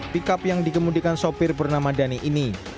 pick up yang dikemudikan sopir bernama dani ini